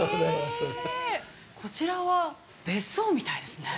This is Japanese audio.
こちらは別荘みたいですね。